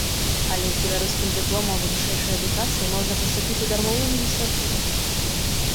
Але з беларускім дыпломам аб вышэйшай адукацыі можна паступіць у дармовую магістратуру.